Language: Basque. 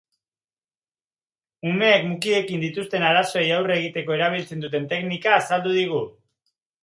Umeek mukiekin dituzten arazoei aurre egiteko erabiltzen duten teknika azaldu digu.